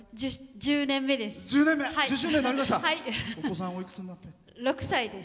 １０年目です。